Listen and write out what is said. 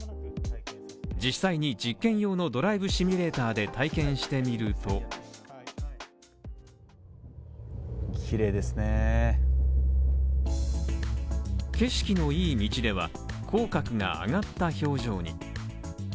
実際に実験用のドライブシミュレーターで体験してみると景色の良い道では、口角が上がった表情に。